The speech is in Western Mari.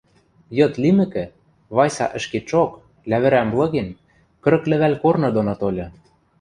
Йыд лимӹкӹ, Вайса ӹшкетшок, лявӹрӓм лыген, кырык лӹвӓл корны доно тольы.